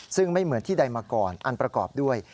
ซึ่งไม่เหมือนที่ใดมาก่อนอันประกอบด้วย